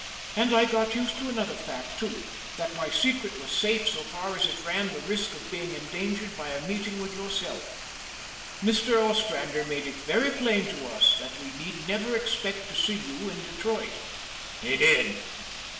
And I got used to another fact too; that my secret was safe so far as it ran the risk of being endangered by a meeting with yourself. Mr. Ostrander made it very plain to us that we need never expect to see you in Detroit." "He did?